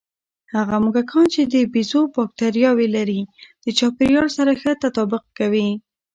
هغه موږکان چې د بیزو بکتریاوې لري، د چاپېریال سره ښه تطابق کوي.